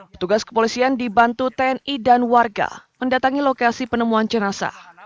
petugas kepolisian dibantu tni dan warga mendatangi lokasi penemuan jenazah